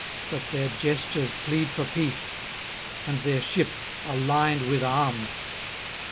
that their gestures plead for peace, and their ships are lined with arms?